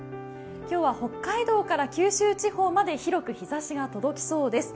今日は、北海道から九州地方まで広く日ざしが届きそうです。